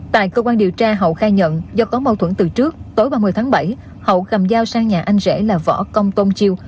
tại cơ quan điều tra hậu khai nhận do có mâu thuẫn từ trước tối ba mươi tháng bảy hậu cầm dao sang nhà anh rể là võ công công chiêu